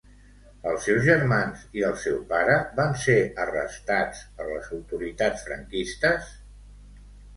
Els seus germans i el seu pare van ser arrestats per les autoritats franquistes?